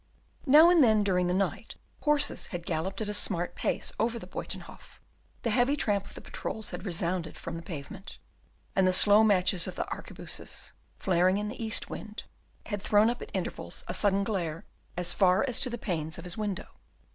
Now and then during the night horses had galloped at a smart pace over the Buytenhof, the heavy tramp of the patrols had resounded from the pavement, and the slow matches of the arquebuses, flaring in the east wind, had thrown up at intervals a sudden glare as far as to the panes of his window.